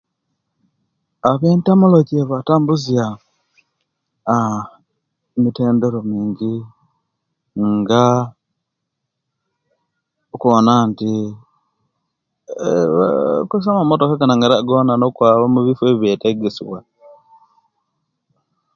Abentamology batambuziya aaa mitendera mingi nga okuwona nti oo bakoyesa amamotaka amanagere ago okwaba mubifo ebibetagisibwa